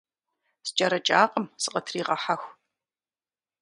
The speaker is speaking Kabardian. СкӀэрыкӀакъым, сыкъытригъэхьэху.